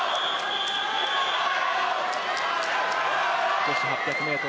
女子８００ｍ